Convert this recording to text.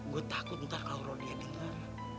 gue takut ntar kalau rodia dengar